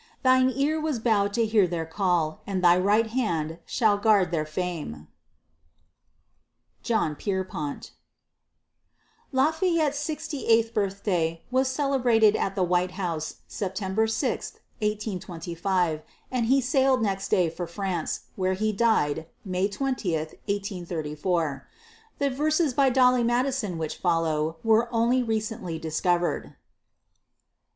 Thine ear was bowed to hear their call, And thy right hand shall guard their fame. JOHN PIERPONT. Lafayette's sixty eighth birthday was celebrated at the White House September 6, 1825, and he sailed next day for France, where he died May 20, 1834. The verses by Dolly Madison which follow were only recently discovered.